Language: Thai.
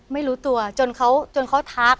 ไม่รู้ตัวจนเขาทัก